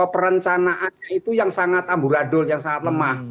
perencanaannya itu yang sangat ambuladul yang sangat lemah